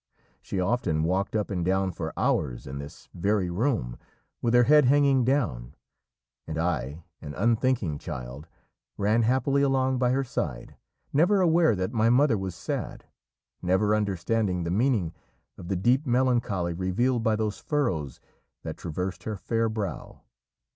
She often walked up and down for hours in this very room, with her head hanging down, and I, an unthinking child, ran happily along by her side, never aware that my mother was sad, never understanding the meaning of the deep melancholy revealed by those furrows that traversed her fair brow.